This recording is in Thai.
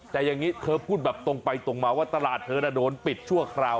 แต่อย่างนี้เธอพูดแบบตรงไปตรงมาว่าตลาดเธอน่ะโดนปิดชั่วคราว